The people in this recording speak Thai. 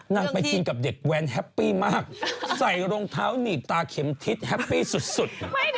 นางไปกินกับเด็กแว้นแฮปปี้มากใส่รองเท้าหนีบตาเข็มทิศแฮปปี้สุด